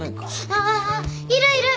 あああいるいる！